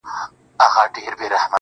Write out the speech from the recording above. زموږه دوو زړونه دي تل په خندا ونڅيږي.